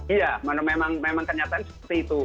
iya memang kenyataan seperti itu